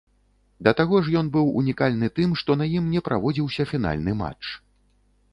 Да таго ж ён быў унікальны тым, што на ім не праводзіўся фінальны матч.